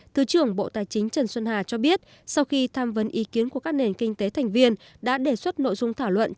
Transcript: thứ trưởng bộ tài chính trần xuân hà cho biết sau khi tham vấn ý kiến của các nền kinh tế thành viên đã đề xuất nội dung thảo luận